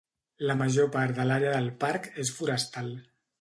La major part de l'àrea del parc és forestal.